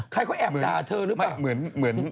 ใครเขาแอบด่าเธอหรือเปล่า